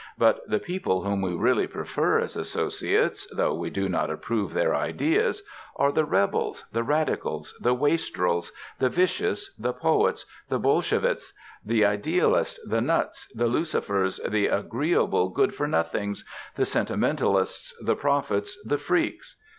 But the people whom we really prefer as associates, though we do not approve their ideas, are the rebels, the radicals, the wastrels, the vicious, the poets, the Bolshevists, the idealists, the nuts, the Lucifers, the agreeable good for nothings, the sentimentalists, the prophets, the freaks.